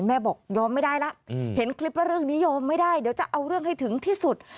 แม่บอกยอมไม่ได้แล้วเห็นคลิปแล้วเรื่องนี้ยอมไม่ได้เดี๋ยวจะเอาเรื่องให้ถึงที่สุด